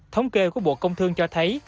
thống kê của bộ công thương cho thấy